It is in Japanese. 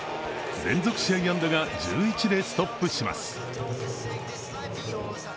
連続試合安打が１１でストップします。